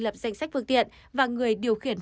lập danh sách phương tiện và người điều khiển